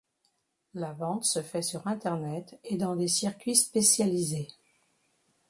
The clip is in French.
La vente se fait sur Internet et dans des circuits spécialisés.